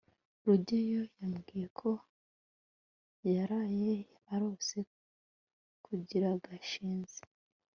rugeyo yambwiye ko yaraye arose kuri gashinzi